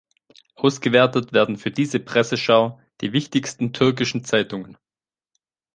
Ausgewertet werden für diese Presseschau die wichtigsten türkischen Zeitungen.